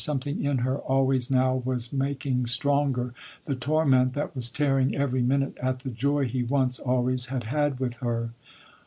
Something in her always now was making stronger the torment that was tearing every minute at the joy he once always had had with her.